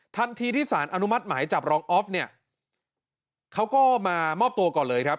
ทันทีที่สารอนุมัติหมายจับรองออฟเนี่ยเขาก็มามอบตัวก่อนเลยครับ